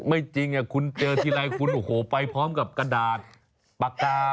ไม่จริงคุณเจอทีไรคุณโอ้โหไปพร้อมกับกระดาษปากกา